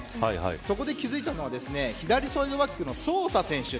そこで気付いたのは左サイドバックのソーサ選手